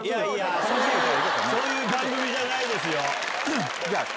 そういう番組じゃないですよ！